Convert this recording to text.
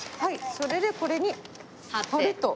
それでこれに貼ると。